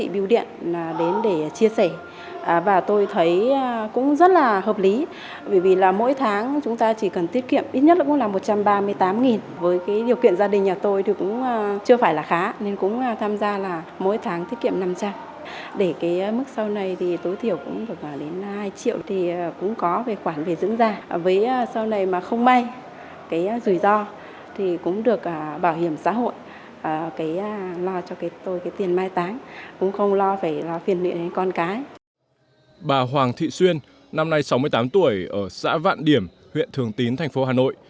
bà hoàng thị xuyên năm nay sáu mươi tám tuổi ở xã vạn điểm huyện thường tín tp hcm